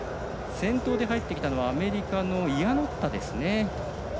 先頭で入ってきたのはアメリカのイアノッタです。